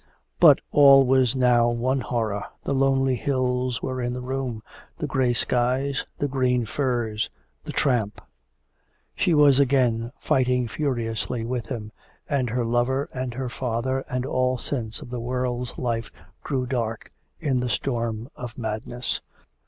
But all was now one horror the lonely hills were in the room, the grey sky, the green furze, the tramp; she was again fighting furiously with him; and her lover and her father and all sense of the world's life grew dark in the storm of madness.